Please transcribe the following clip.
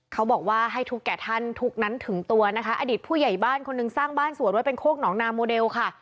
เขาบอกว่าให้ทุกแก่ท่านทุกนั้นถึงตัวนะคะอดีตผู้ใหญ่บ้านคนหนึ่งสร้างบ้านสวนไว้เป็นโคกหนองนาโมเดลค่ะ